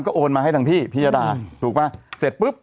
ก็โอนมาให้ทางพี่พิยดาถูกป่ะเสร็จปุ๊บ